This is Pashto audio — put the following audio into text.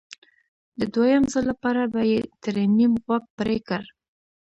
د دویم ځل لپاره به یې ترې نیم غوږ پرې کړ